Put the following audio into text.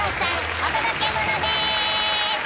お届けモノです！